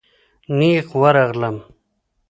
نېغ ورغلم.